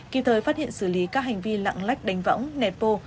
kịp thời phát hiện xử lý các hành vi lặng lách đánh võng nẹt vô